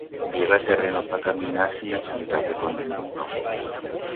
Bi heba terreno pa caminar sin achuntar-te con dinguno.